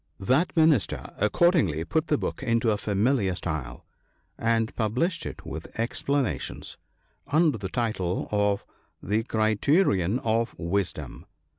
That Minister accordingly put the book into a familiar style, and published it with explanations, under the title of the "Criterion of Wisdom."